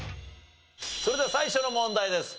それでは最初の問題です。